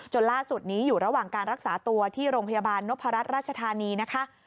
ล่าสุดนี้อยู่ระหว่างการรักษาตัวที่โรงพยาบาลนพรัชราชธานีนะคะ